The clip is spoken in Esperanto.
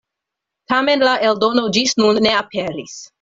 Tamen la eldono ĝis nun ne aperis.